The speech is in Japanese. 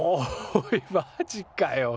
おいマジかよ！？